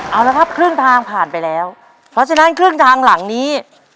เอาละครับครึ่งทางผ่านไปแล้วเพราะฉะนั้นครึ่งทางหลังนี้